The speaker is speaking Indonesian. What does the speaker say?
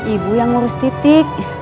ibu yang ngurus titik